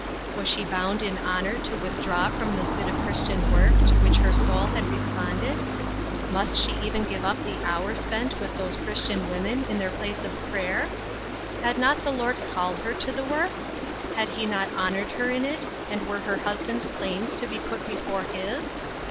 Was she bound in honor to withdraw from this bit of Christian work to which her soul had responded ? Must she even give up the hour spent with those Christian women in their place of prayer ? Had not the Lord called her to the work ? Had he not honored her in it, and were her husband's claims to be put before his